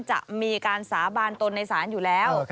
จะมีการสาบานตนในศาลอยู่แล้ว